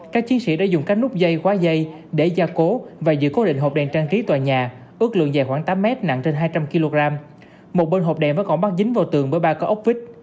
các chiến sĩ đã dùng các nút dây khóa dây để gia cố và giữ cố định hộp đèn trang trí tòa nhà ước lượng dài khoảng tám mét nặng trên hai trăm linh kg một bên hộp đèn vẫn còn bắt dính vào tường với ba có ốc vít